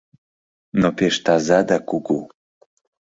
— Но пеш таза да кугу.